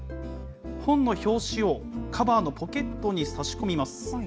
本の表紙をカバーのポケットに差し込みます。